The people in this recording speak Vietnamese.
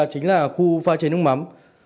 và đây chính là khu pha chế nước mắm